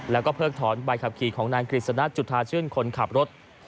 แล้วก็เพิกถอนใบขับขี่ของนายกฤษณะจุธาชื่นคนขับรถ